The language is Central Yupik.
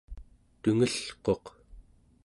tungelquq